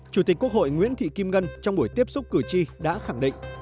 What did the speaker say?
chủ tịch quốc hội nguyễn thị kim ngân trong buổi tiếp xúc cử tri đã khẳng định